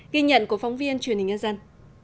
ghi nhận của phóng viên truyền hình nhân dân